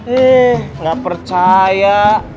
eh gak percaya